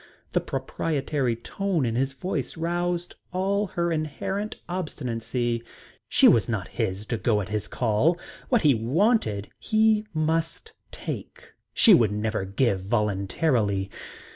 The proprietory tone in his voice roused all her inherent obstinacy. She was not his to go at his call. What he wanted he must take she would never give voluntarily.